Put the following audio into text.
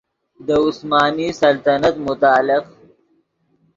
دے عثمانی سلطنت متعلق